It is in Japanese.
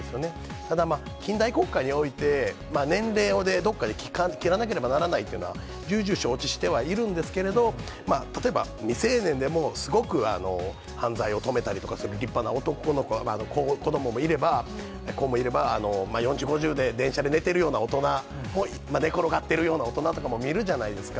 ただ、近代国家において、年齢をどこかで切らなければならないというのは、重々承知してはいるんですけれども、例えば未成年でも、すごく犯罪を止めたりとかする立派な男の子、子どももいれば、４０、５０で、電車で寝てるような大人も、寝転がっているような大人とかも見るじゃないですか。